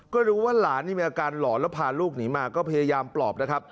ก็รู้ว่าหลานนี่มีอาการหลอนแล้วพาลูกหนีมาก็พยายามปลอบนะครับ